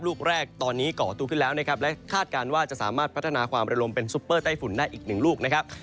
ลูกแรกตอนนี้ก่อตัวขึ้นแล้วนะครับและคาดการณ์ว่าจะสามารถพัฒนาความระลมเป็นซุปเปอร์ใต้ฝุ่นได้อีกหนึ่งลูกนะครับ